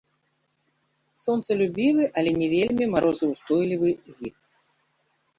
Сонцалюбівы, але не вельмі марозаўстойлівы від.